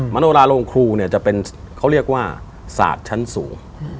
มโนราโรงครูจะเป็นเขาเรียกว่าสาดชั้นสูง